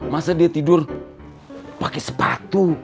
masa dia tidur pakai sepatu